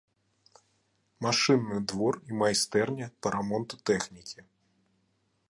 Машынны двор і майстэрня па рамонту тэхнікі.